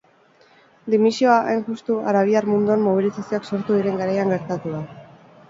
Dimisioa, hain justu, arabiar munduan mobilizazioak sortu diren garaian gertatu da.